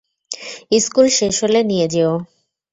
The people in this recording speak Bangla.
স্কুল শেষ হলে নিয়ে যেও।